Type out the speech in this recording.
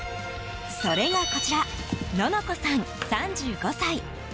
それがこちらののこさん、３５歳。